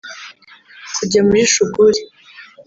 kujya muli Shuguri